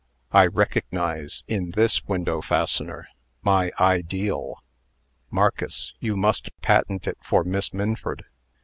I recognize, in this window fastener, my ideal. Marcus, you must patent it for Miss Minford.